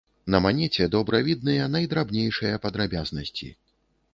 На манеце добра відныя найдрабнейшыя падрабязнасці.